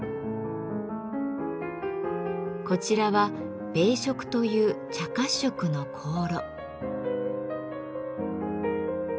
こちらは「米色」という茶褐色の香炉。